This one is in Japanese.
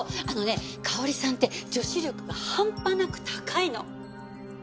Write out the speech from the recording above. あのね香織さんって女子力が半端なく高いの。